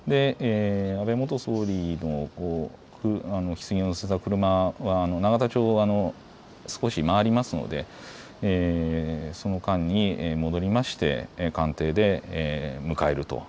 安倍元総理のひつぎを乗せた車、永田町を少し回りますのでその間に戻りまして、官邸で迎えると。